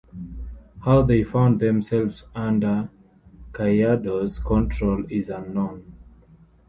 How they found themselves under Caiados control is unknown.